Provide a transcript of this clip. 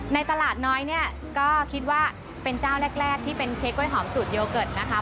ในตลาดน้อยเนี่ยก็คิดว่าเป็นเจ้าแรกที่เป็นเค้กกล้หอมสูตรโยเกิร์ตนะคะ